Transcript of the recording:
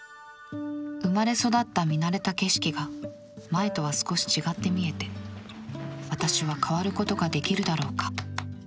生まれ育った見慣れた景色が前とは少し違って見えて私は変わることができるだろうか